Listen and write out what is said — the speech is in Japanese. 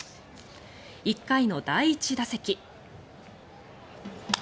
１回の第１打席。